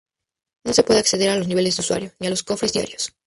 No se puede acceder a los niveles de usuario, ni a los cofres diarios.